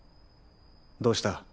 どうした？